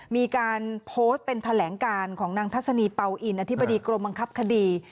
มีการโพสต์เป็นแถลงการของนางทัศนีเป่าอินอธิบดีกรมบังคับคดี